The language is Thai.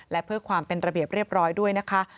และเพื่อความเป็นระเบียบเรียบร้อยด้วยนะคะ